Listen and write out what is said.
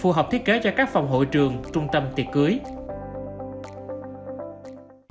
phù hợp thiết kế cho các phòng hội trường trung tâm tiệc cưới